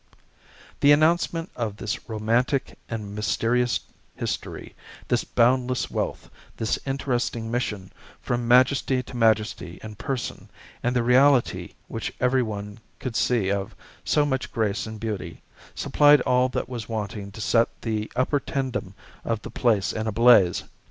The announcement of this romantic and mysterious history, this boundless wealth, this interesting mission from majesty to majesty in person and the reality which every one could see of so much grace and beauty, supplied all that was wanting to set the upper tendom of the place in a blaze.